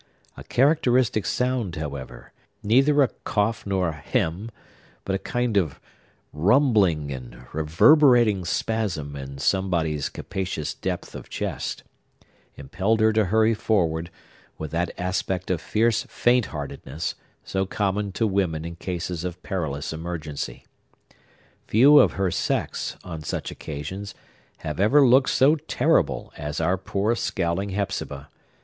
A characteristic sound, however,—neither a cough nor a hem, but a kind of rumbling and reverberating spasm in somebody's capacious depth of chest;—impelled her to hurry forward, with that aspect of fierce faint heartedness so common to women in cases of perilous emergency. Few of her sex, on such occasions, have ever looked so terrible as our poor scowling Hepzibah.